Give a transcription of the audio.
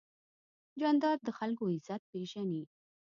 جانداد د خلکو عزت پېژني.